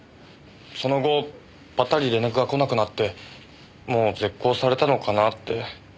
その後ぱったり連絡が来なくなってもう絶交されたのかなって。